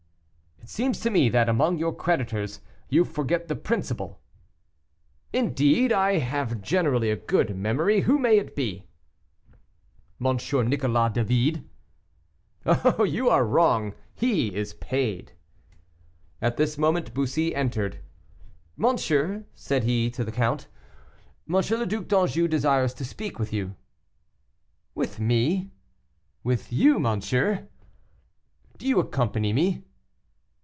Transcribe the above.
"It seems to me that, among your creditors, you forget the principal." "Indeed, I have generally a good memory. Who may it be?" "M. Nicolas David." "Oh! you are wrong; he is paid." At this moment Bussy entered. "Monsieur," said he to the count, "M. le Duc d'Anjou desires to speak with you." "With me?" "With you, monsieur." "Do you accompany me?"